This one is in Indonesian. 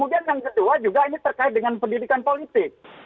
kemudian yang kedua juga ini terkait dengan pendidikan politik